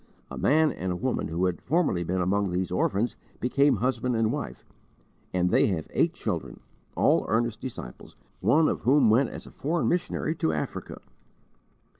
A man and a woman who had formerly been among these orphans became husband and wife, and they have had eight children, all earnest disciples, one of whom went as a foreign missionary to Africa.